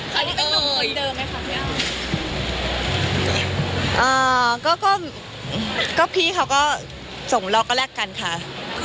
คือมันเป็นงานหรอหรือเปล่า